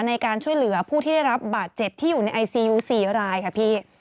ในการช่วยเหลือผู้ที่ได้รับบาดเจ็บที่อยู่ในไอซียู๔รายค่ะพี่